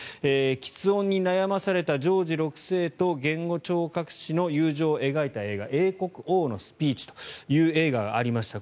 きつ音に悩まされたジョージ６世と言語聴覚士の友情を描いた映画「英国王のスピーチ」という映画がありました。